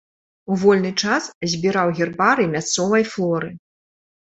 У вольны час збіраў гербарый мясцовай флоры.